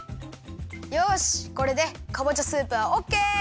よしこれでかぼちゃスープはオッケー！